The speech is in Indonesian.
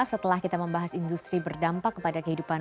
setelah kita membahas industri berdampak kepada kehidupan